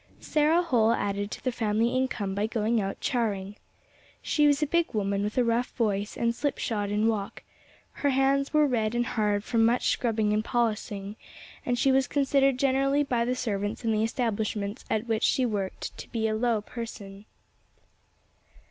Sarah Holl added to the family income by going out charring. She was a big woman, with a rough voice, and slipshod in walk; her hands were red and hard from much scrubbing and polishing, and she was considered generally by the servants in the establishments at which she worked to be a low person.